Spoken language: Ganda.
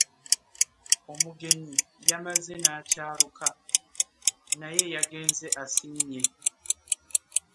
Omugenyi yamaze n'akyaluka naye yagenze asiimye.